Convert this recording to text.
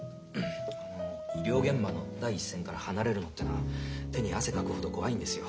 医療現場の第一線から離れるのってのは手に汗かくほど怖いんですよ。